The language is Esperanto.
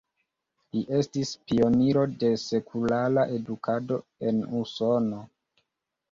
Li estis pioniro de sekulara edukado en Usono.